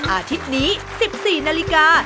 อาทิตย์นี้๑๔นาฬิกา